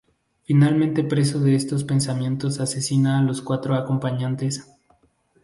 Finalmente preso de estos pensamientos asesina a los cuatro acompañantes.